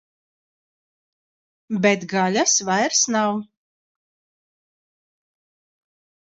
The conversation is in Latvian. Bet gaļas vairs nav.